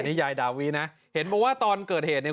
นี่ยายดาวินะเห็นบอกว่าตอนเกิดเหตุเนี่ย